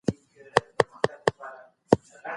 که څوک مطالعه وکړي دا تعليم دی.